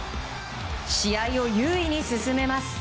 試合を優位に進めます。